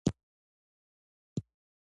کانګارو په خیز وهلو حرکت کوي